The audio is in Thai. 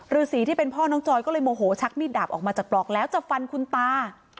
ฤษีที่เป็นพ่อน้องจอยก็เลยโมโหชักมีดดาบออกมาจากปลอกแล้วจะฟันคุณตา